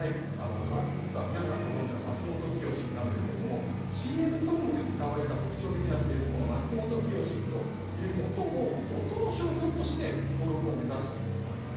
ドラッグストア皆さんご存じのマツモトキヨシですがＣＭソングで使われた特徴的なフレーズマツモトキヨシという音の商標として登録を目指したんです。